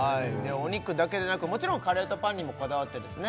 お肉だけでなくもちろんカレーとパンにもこだわってですね